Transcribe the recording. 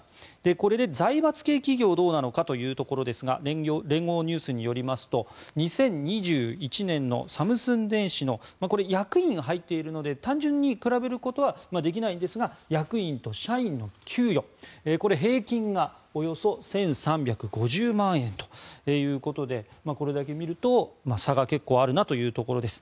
これで財閥系企業はどうなのかということですが聯合ニュースによりますと２０２１年のサムスン電子のこれは役員が入っているので単純に比べることはできないんですが役員と社員の給与これ、平均がおよそ１３５０万円ということでこれだけ見ると差が結構あるなというところです。